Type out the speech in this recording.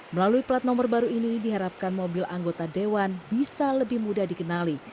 melalui plat nomor baru ini diharapkan mobil anggota dewan bisa lebih mudah dikenali